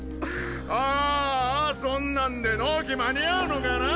あぁあそんなんで納期間に合うのかなぁ。